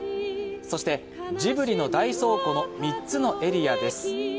そして、ジブリの大倉庫の３つのエリアです。